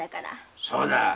そうだ。